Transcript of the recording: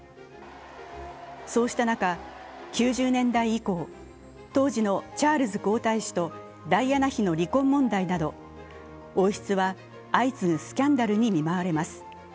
そうした中、９０年代以降、当時のチャールズ皇太子とダイアナ妃の離婚問題など王室は相次ぐスキャンダルに見舞われます。